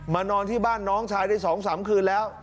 นอนที่บ้านน้องชายได้๒๓คืนแล้ว